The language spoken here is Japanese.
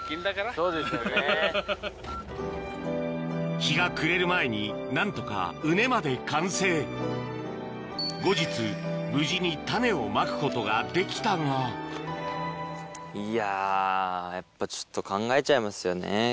日が暮れる前に何とか畝まで完成後日無事に種をまくことができたがいややっぱちょっと。